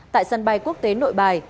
tại sân bay quốc tế nội bài